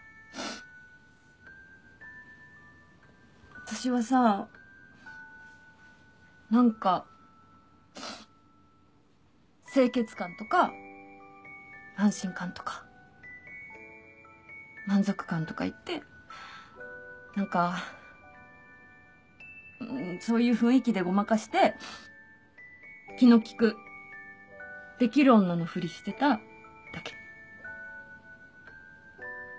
私はさ何か清潔感とか安心感とか満足感とかいって何かんそういう雰囲気でごまかして気の利くできる女のふりしてただけ。